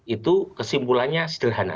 itu kesimpulannya sederhana